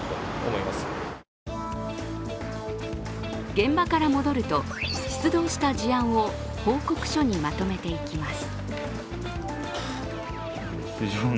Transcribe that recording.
現場から戻ると、出動した事案を報告書にまとめていきます。